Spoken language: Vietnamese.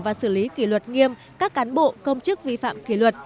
và xử lý kỷ luật nghiêm các cán bộ công chức vi phạm kỷ luật